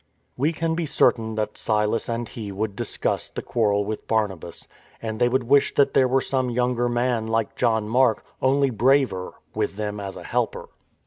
We can be certain that Silas and he would discuss the quarrel with Barnabas, and they would wish that there were some younger man like John Mark, only braver, with them as a helper.